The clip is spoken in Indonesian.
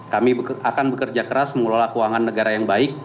kami akan bekerja keras mengelola keuangan negara yang baik